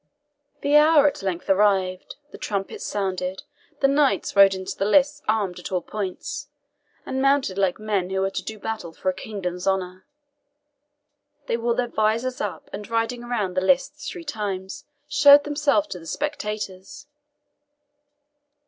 The hour at length arrived; the trumpets sounded; the knights rode into the lists armed at all points, and mounted like men who were to do battle for a kingdom's honour. They wore their visors up, and riding around the lists three times, showed themselves to the spectators.